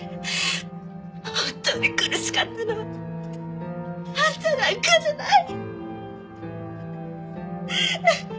本当に苦しかったのはあんたなんかじゃない！